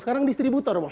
sekarang distributor bang